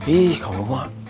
ih kalau gak